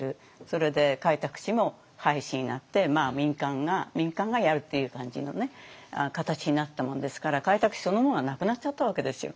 それで開拓使も廃止になって民間がやるっていう感じの形になったもんですから開拓使そのものはなくなっちゃったわけですよ。